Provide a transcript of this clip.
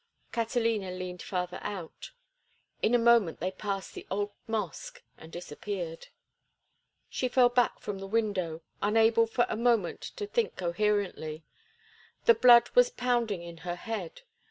Catalina leaned farther out. In a moment they passed the old mosque and disappeared. She fell back from the window, unable for a moment to think coherently; the blood was pounding in her head.